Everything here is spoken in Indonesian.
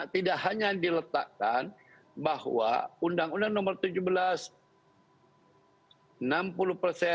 tidak hanya diletakkan bahwa undang undang nomor tujuh belas